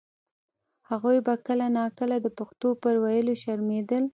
هغوی به کله نا کله د پښتو پر ویلو شرمېدل.